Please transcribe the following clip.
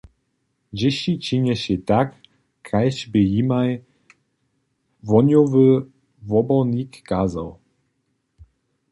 Dźěsći činještej tak, kaž bě jimaj wohnjowy wobornik kazał.